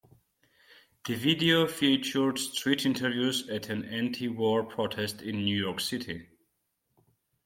The video featured street interviews at an anti-war protest in New York City.